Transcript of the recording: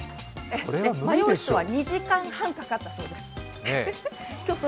迷う人は２時間半かかったそうです